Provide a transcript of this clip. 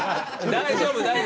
大丈夫！